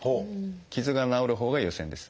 傷が治るほうが優先です。